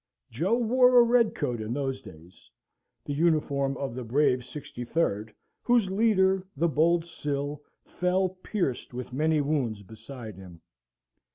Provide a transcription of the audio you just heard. Joe wore a red coat in those days (the uniform of the brave Sixty third, whose leader, the bold Sill, fell pierced with many wounds beside him).